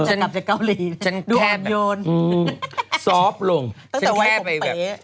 จะกลับจากเกาหลีดูอดโยนอืมซอฟต์ลงต้องแต่ไว้ตัวเป๋